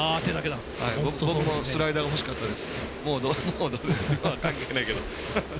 僕もスライダーが欲しかったです。